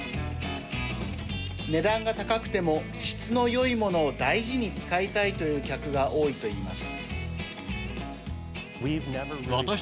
値段が高くても、質のよいものを大事に使いたいという客が多いといいます。